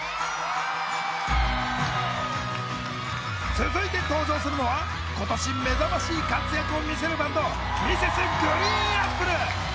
続いて登場するのは今年目覚ましい活躍を見せるバンドＭｒｓ．ＧＲＥＥＮＡＰＰＬＥ！